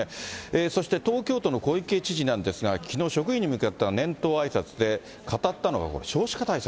そして東京都の小池知事なんですが、きのう、職員に向けた年頭あいさつで語ったのはこれ、少子化対策。